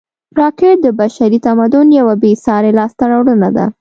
راکټ د بشري تمدن یوه بېساري لاسته راوړنه ده